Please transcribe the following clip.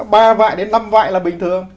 ba vại đến năm vại là bình thường